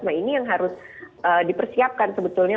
nah ini yang harus dipersiapkan sebetulnya